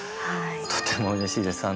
とてもうれしいです。